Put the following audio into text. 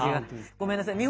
ごめんなさい。